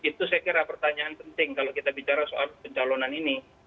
itu saya kira pertanyaan penting kalau kita bicara soal pencalonan ini